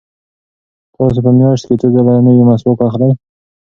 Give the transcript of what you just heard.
تاسو په میاشت کې څو ځله نوی مسواک اخلئ؟